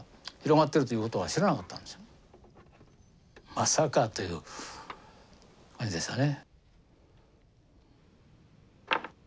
まさかという感じでしたね。